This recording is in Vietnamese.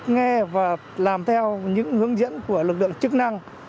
nghe và làm theo những hướng dẫn của lực lượng chức năng